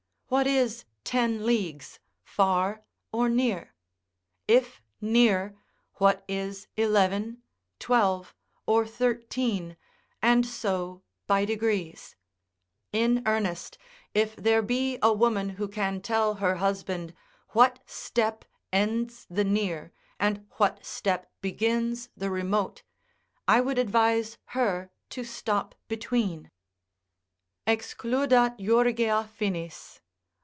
What is ten leagues: far or near? If near, what is eleven, twelve, or thirteen, and so by degrees. In earnest, if there be a woman who can tell her husband what step ends the near and what step begins the remote, I would advise her to stop between; "Excludat jurgia finis